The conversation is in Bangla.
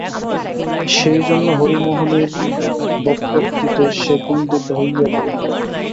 সেইজন্য হরিমোহিনীর বক্রোক্তিতে সে কুণ্ঠিত হইয়া পড়িল।